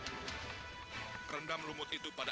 kau kan udah saling melakukannya